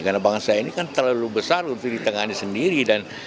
karena bangsa ini kan terlalu besar untuk ditengahin sendiri